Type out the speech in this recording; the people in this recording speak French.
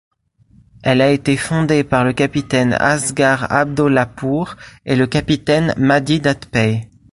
Elle a été fondée par le capitaine Asghar Abdollahpour et le capitaine Mahdi Dadpei.